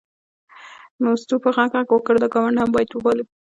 مستو په غږ غږ وکړ دا ګاونډ هم باید وپالو.